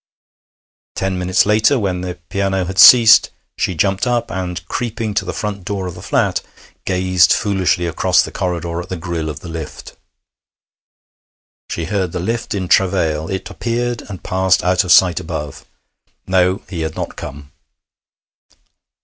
Ten minutes later, when the piano had ceased, she jumped up, and, creeping to the front door of the flat, gazed foolishly across the corridor at the grille of the lift. She heard the lift in travail. It appeared and passed out of sight above. No, he had not come!